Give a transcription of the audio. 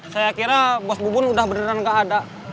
saya kira bos bubun udah beneran gak ada